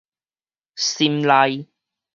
心內